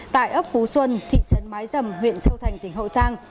tại ấp phú xuân thị trấn mái dầm huyện châu thành tỉnh hậu giang